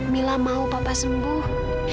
mila mau papa sembuh